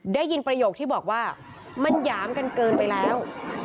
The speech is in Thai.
ได้ยินประโยคที่บอกว่ามันหยามกันเกินไปแล้ว